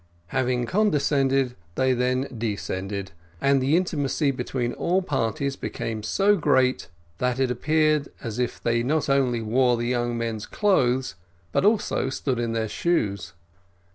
Having condescended, they then descended, and the intimacy between all parties became so great that it appeared as if they not only wore the young men's clothes, but also stood in their shoes.